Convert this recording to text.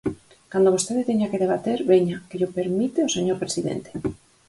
Cando vostede teña que debater, veña, que llo permite o señor presidente.